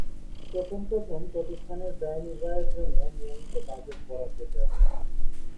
প্রথম প্রথম প্রতিষ্ঠানের ব্যয় নির্বাহের জন্য নিয়মিত বাজেট বরাদ্দ দেয়া হতো।